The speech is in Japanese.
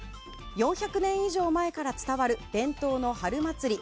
４００年以上前から伝わる伝統の春祭り